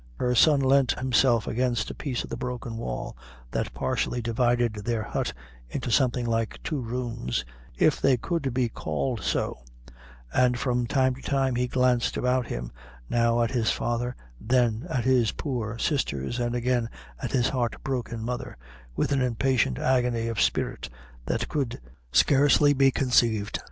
Her son leant himself against a piece of the broken wall that partially divided their hut into something like two rooms, if they could be called so, and from time to time he glanced about him, now at his father, then at his poor sisters, and again at his heart broken mother, with an impatient agony of spirit that could scarcely be conceived.